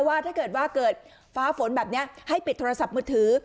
ว่าถ้าเกิดว่าเกิดฟ้าฝนแบบนี้ให้ปิดโทรศัพท์มือถือ